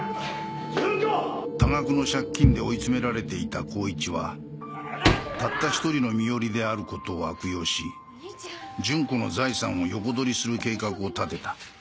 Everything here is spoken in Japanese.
純多額の借金で追い詰められていた孝一はたった一人の身寄りであることを悪用し純子の財産を横取りする計画を立てた。